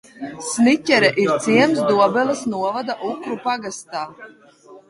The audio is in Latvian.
Sniķere ir ciems Dobeles novada Ukru pagastā.